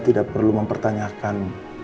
tidak perlu mempertanyakan